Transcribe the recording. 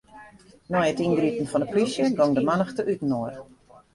Nei it yngripen fan 'e plysje gong de mannichte útinoar.